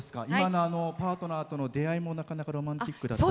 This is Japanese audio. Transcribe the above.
パートナーとの出会いもなかなかロマンチックだったと。